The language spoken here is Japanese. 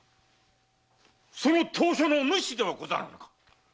その投書の主ではござらんか！